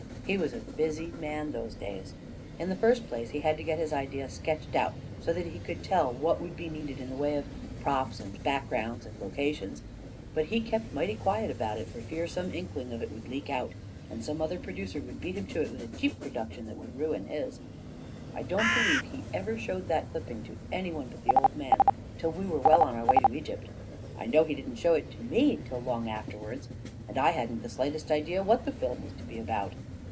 He was a busy man, those days. In the first place, he had to get his idea sketched out, so that he could tell what would be 26 A KING IN BABYLON needed in the way of props and backgrounds and lo cations; but he kept mighty quiet about it for fear some inkling of it would leak out, and some other producer would beat him to it with a cheap produc tion that would ruin his. I don't believe he ever showed that clipping to any one but the old man till we were well on our way to Egypt — I know he didn't show it to me till long afterwards, and I hadn't the slightest idea what the film was to be about.